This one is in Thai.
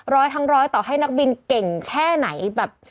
ร้อยทั้งร้อยต่อให้นักบินเก่งแค่ไหนแบบ